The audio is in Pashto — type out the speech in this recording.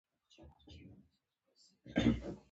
د افغانستان په منظره کې ځمکه په ښکاره توګه لیدل کېږي.